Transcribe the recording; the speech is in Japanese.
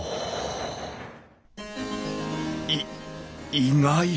い意外！